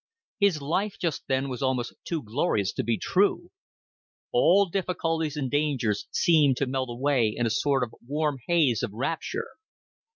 His life just then was almost too glorious to be true. All difficulties and dangers seemed to melt away in a sort of warm haze of rapture.